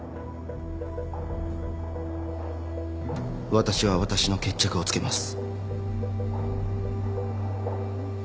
私は私の決着をつけます。